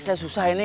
saya susah ini